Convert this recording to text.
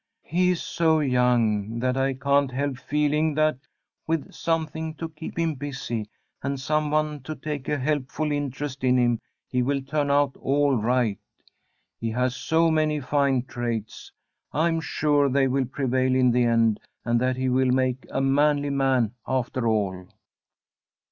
"He is so young that I can't help feeling that, with something to keep him busy and some one to take a helpful interest in him, he will turn out all right. He has so many fine traits, I am sure they will prevail in the end, and that he will make a manly man, after all."